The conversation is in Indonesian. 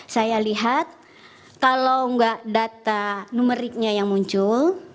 saya lihat kalau nggak data numeriknya yang muncul